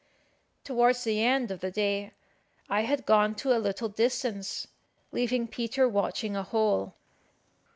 Towards the end of the day I had gone to a little distance, leaving Peter watching a hole.